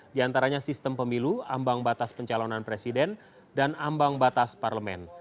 di antaranya sistem pemilu ambang batas pencalonan presiden dan ambang batas parlemen